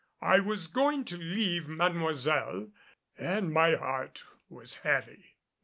I was going to leave Mademoiselle and my heart was heavy.